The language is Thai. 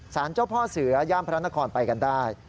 เจ้าพ่อเสือย่านพระนครไปกันได้